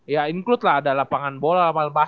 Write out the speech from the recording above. ya include lah ada lapangan bola